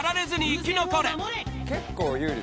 結構有利。